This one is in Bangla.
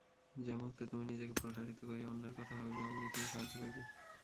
যে-মুহূর্তে তুমি নিজেকে প্রসারিত করিয়া অন্যের কথা ভাবিবে, অমনি তুমি সাহায্য পাইবে।